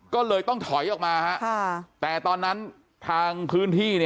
ก็เลยต้องถอยออกมาแต่ตอนนั้นทางพื้นที่